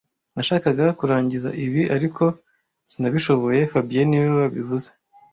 Nashakaga kurangiza ibi, ariko sinabishoboye fabien niwe wabivuze